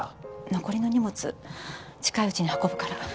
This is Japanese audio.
残りの荷物近いうちに運ぶから。